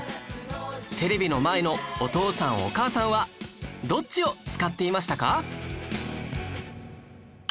テレビの前のお父さんお母さんはどっちを使っていましたか？